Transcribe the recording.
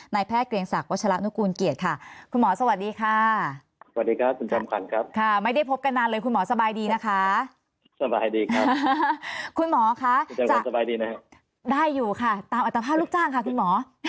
ได้อยู่ค่ะตามอร่อยตรายภาพลูกจ้างค่ะคุณหมอ